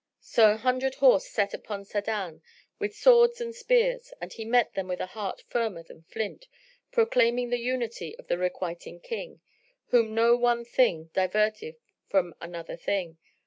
So an hundred horse set upon Sa'adan with swords and spears, and he met them with a heart firmer than flint, proclaiming the unity of the Requiting King, whom no one thing diverteth from other thing.